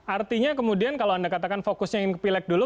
artinya kemudian kalau anda katakan fokusnya ingin ke pileg dulu